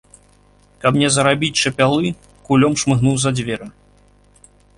Каб не зарабіць чапялы, кулём шмыгнуў за дзверы.